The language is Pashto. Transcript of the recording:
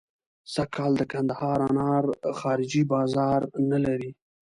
سږکال د کندهار انار خارجي بازار نه لري.